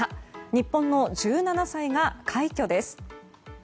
日本の１７歳が快挙です。